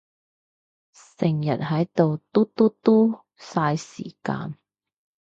成日係到嘟嘟嘟，晒時間